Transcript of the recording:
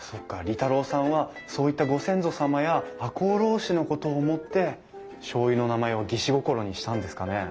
利太郎さんはそういったご先祖様や赤穂浪士のことを思ってしょうゆの名前を義士心にしたんですかね。